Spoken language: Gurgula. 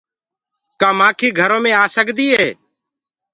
ڪآ مآکي گھرو مي آ سڪدي هي۔